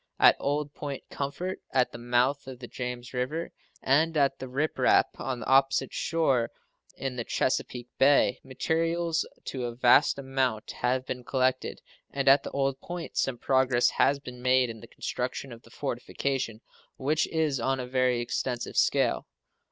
At Old Point Comfort, at the mouth of the James River, and at the Rip Rap, on the opposite shore in the Chesapeake Bay, materials to a vast amount have been collected; and at the Old Point some progress has been made in the construction of the fortification, which is on a very extensive scale.